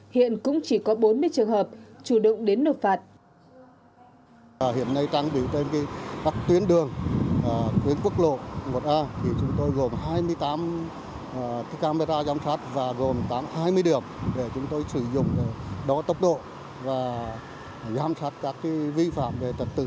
hiện cũng chỉ có bốn mươi trường hợp chủ động đến nộp phạt